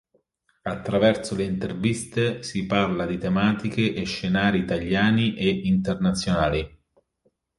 Attraverso le interviste si parla di tematiche e scenari italiani e internazionali.